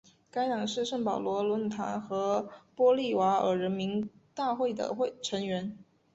该党是圣保罗论坛和玻利瓦尔人民大会的成员。